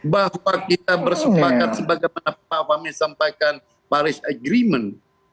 bahwa kita bersepakat sebagaimana pak fahmi sampaikan paris agreement